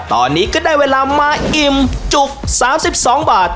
ตอนนี้ก็ได้เวลามาอิ่มจุก๓๒บาท